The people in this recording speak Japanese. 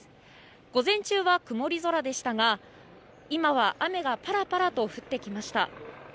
午前中は曇り空でしたが今は雨がパラパラと降ってきました。